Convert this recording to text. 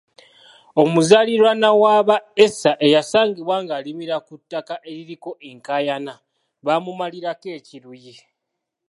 Omuzaaliranwa wa ba Acer eyasangibwa ng'alimira ku ttaka eririko enkaayana baamumalirako ekiruyi.